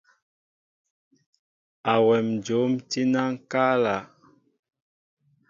Awem njóm tí na ŋkala.